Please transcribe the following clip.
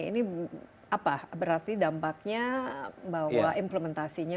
ini apa berarti dampaknya bahwa implementasinya